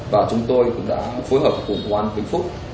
và chúng tôi cũng đã phối hợp cùng quán vinh phúc